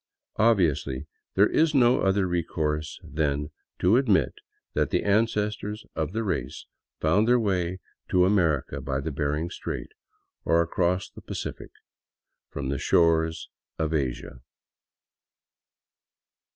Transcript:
Obviously there is no other re course then to admit that the ancestors of the race found their way to America by the Behring Strait, or across the Pacific from the shores of Asia.